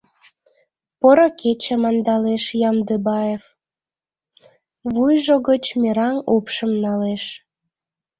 — Поро кече! — малдалеш Яндыбаев, вуйжо гыч мераҥ упшым налеш.